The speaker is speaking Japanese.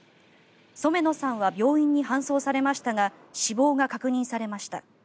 染野さんは病院に搬送されましたが死亡が確認されました。